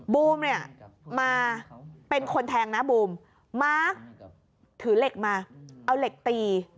บูมเนี่ยมาเป็นคนแทงนะบูมมาร์คถือเหล็กมาเอาเหล็กตี